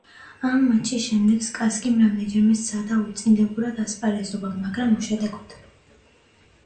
ამ მატჩის შემდეგ სპასკიმ რამდენიმეჯერ სცადა უწინდებურად ასპარეზობა, მაგრამ უშედეგოდ.